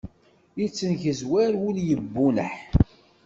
Yettengezwar wul yebunneḥ.